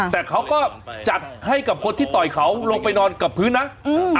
แต่เขาก็จัดให้กับคนที่ต่อยเขาลงไปนอนกับพื้นนะอืม